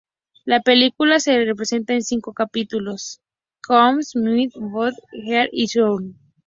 La película se presenta en cinco capítulos: "Cosmic", "Mind","Body","Heart" y "Soul".